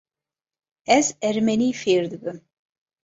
Ez ermenî fêr dibim.